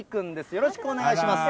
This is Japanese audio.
よろしくお願いします。